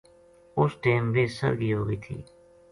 اُس ٹیم ویہ سرگی ہو گئی تھی